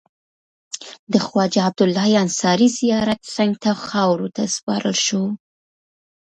د خواجه عبدالله انصاري زیارت څنګ ته خاورو ته وسپارل شو.